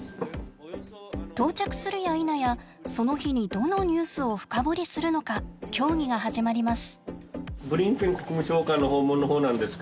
到着するやいなやその日にどのニュースを深掘りするのか協議が始まります。